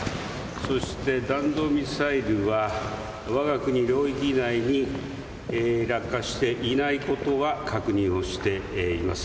そして弾道ミサイルは、わが国領域内に落下していないことは確認をしています。